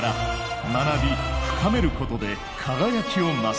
学び深めることで輝きを増す。